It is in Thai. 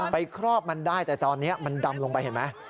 ครอบมันได้แต่ตอนนี้มันดำลงไปเห็นไหม